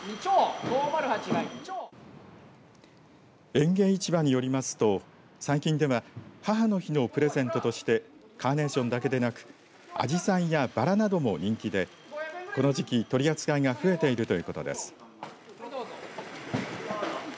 園芸市場によりますと、最近では母の日のプレゼントとしてカーネーションだけでなくあじさいやばらなども人気でこの時期、取り扱いが増えているということです。